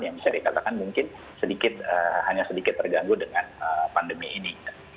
yang bisa dikatakan mungkin hanya sedikit terganggu dengan pandemi ini